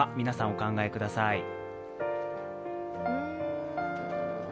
皆さんお考えください。